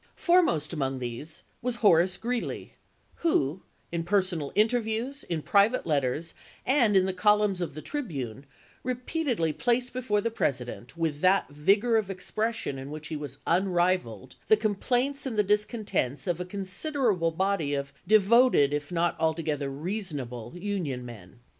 Foremost among these was Horace Greeley, who, in personal interviews, in private letters, and in the columns of the " Tribune," repeatedly placed before the Presi dent, with that vigor of expression in which he was unrivaled, the complaints and the discontents of a considerable body of devoted, if not altogether reasonable, Union men.